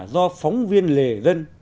do phóng viên lề dân